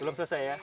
belum selesai ya